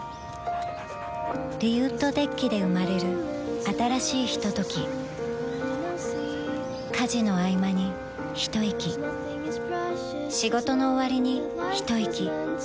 リウッドデッキで生まれる新しいひととき家事のあいまにひといき仕事のおわりにひといき